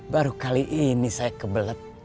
baru kali ini saya kebelet